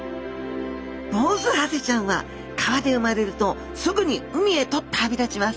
ボウズハゼちゃんは川で生まれるとすぐに海へと旅立ちます